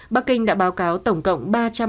bắc kinh đã báo cáo tổng cộng